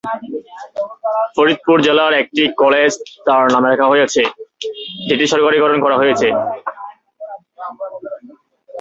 ফরিদপুর জেলার একটি কলেজ তার নামে রাখা হয়েছে, যেটি সরকারিকরণ করা হয়েছে।